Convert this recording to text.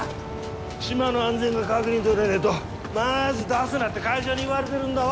島の安全が確認取れねえとまず出すなって会社に言われてるんだわ。